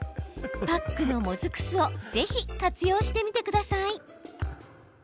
パックのもずく酢をぜひ活用してみてください。